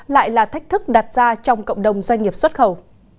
lại là thách thức đặt ra trong cộng đồng doanh nghiệp xuất khẩu